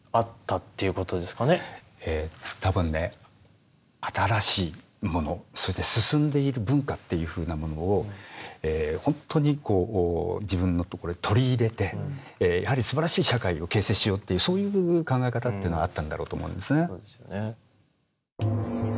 ええ多分ね新しいものそれで進んでいる文化っていうふうなものを本当に自分のところへ取り入れてやはりすばらしい社会を形成しようっていうそういう考え方っていうのはあったんだろうと思うんですね。